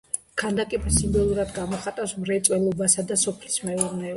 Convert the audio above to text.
ქანდაკება სიმბოლურად გამოხატავს მრეწველობასა და სოფლის მეურნეობას.